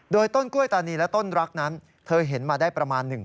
โดยต้นกล้วยตานีและต้นรักนั้นเธอเห็นมาได้ประมาณหนึ่ง